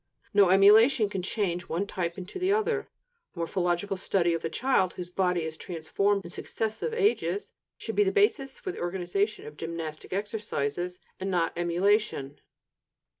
No emulation can change one type into the other. Morphological study of the child, whose body is transformed in successive ages, should be the basis for the organization of gymnastic exercises, and not emulation.